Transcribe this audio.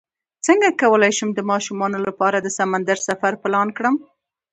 څنګه کولی شم د ماشومانو لپاره د سمندر سفر پلان کړم